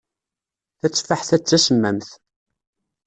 Tateffaḥt-a d tasemmamt.